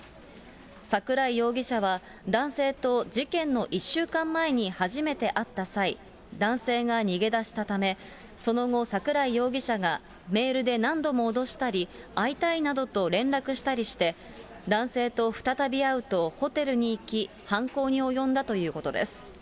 桜井容疑者は、男性と事件の１週間前に初めて会った際、男性が逃げ出したため、その後、桜井容疑者がメールで何度も脅したり、会いたいなどと連絡したりして、男性と再び会うとホテルに行き、犯行に及んだということです。